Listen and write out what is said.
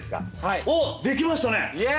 おっできましたね。